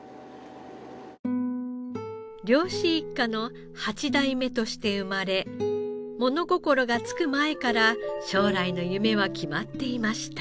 漁師一家の８代目として生まれ物心がつく前から将来の夢は決まっていました。